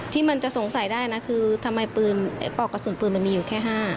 ที่มันจะสงสัยได้นะคือทำไมปืนปลอกกระสุนปืนมันมีอยู่แค่๕